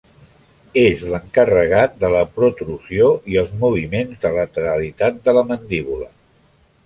És l'encarregat de la protrusió i els moviments de lateralitat de la mandíbula.